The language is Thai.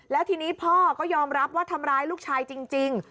แล้วทีนี้พ่อก็ยอมรับว่าทำร้ายลูกชายจริง